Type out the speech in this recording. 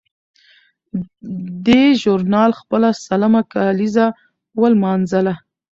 دې ژورنال خپله سلمه کالیزه ولمانځله.